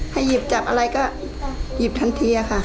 หยิบจับอะไรก็หยิบทันทีค่ะ